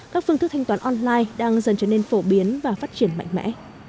các phương thức thanh toán online đang dần trở nên phổ biến và phát triển mạnh mẽ